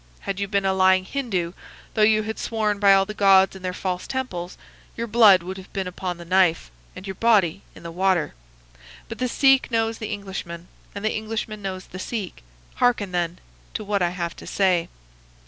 Had you been a lying Hindoo, though you had sworn by all the gods in their false temples, your blood would have been upon the knife, and your body in the water. But the Sikh knows the Englishman, and the Englishman knows the Sikh. Hearken, then, to what I have to say.